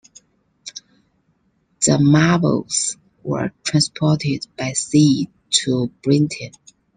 The Marbles were transported by sea to Britain.